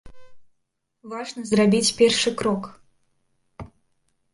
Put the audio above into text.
Важна зрабіць першы крок.